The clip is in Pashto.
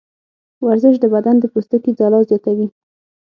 ورزش د بدن د پوستکي ځلا زیاتوي.